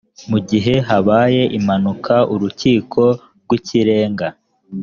mu gihe habaye impaka urukiko rw ikirenga